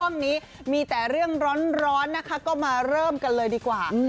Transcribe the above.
ช่วงนี้มีแต่เรื่องร้อนนะคะก็มาเริ่มกันเลยดีกว่า